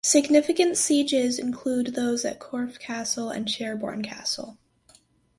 Significant sieges include those at Corfe Castle and Sherborne Castle.